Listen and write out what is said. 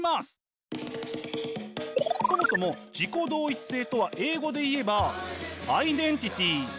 そもそも自己同一性とは英語で言えばアイデンティティー。